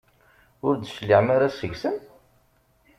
Ur d-tecliɛem ara seg-sen?